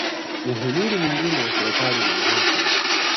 muhimili mwingine wa serikali ni mahakama